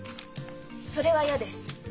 それは嫌です。